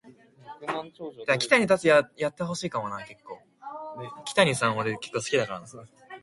Co driving with Nash.